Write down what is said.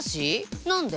何で？